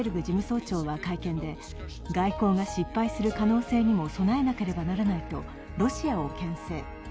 事務総長は会見で、外交が失敗する可能性にも備えなければならないとロシアをけん制。